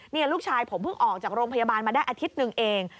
นี่ลูกชายผมเพิ่งออกจากโรงพยาบาลมาได้อาทิตย์หนึ่งเอง